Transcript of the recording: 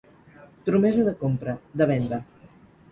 Promesa de compra, de venda.